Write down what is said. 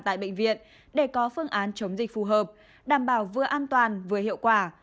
tại bệnh viện để có phương án chống dịch phù hợp đảm bảo vừa an toàn vừa hiệu quả